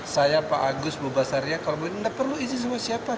saya pak agus mubasaria kalau mau ini tidak perlu izin sama siapa